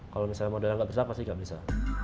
kalau misalnya modalnya nggak besar pasti nggak bisa